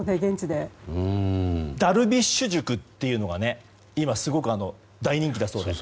ダルビッシュ塾っていうのが今すごく大人気だそうで。